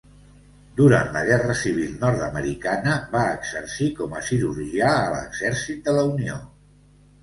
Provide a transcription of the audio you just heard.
Durant la Guerra Civil Nord-americana va exercir com a cirurgià a l'Exèrcit de la Unió.